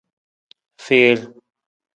Fiir.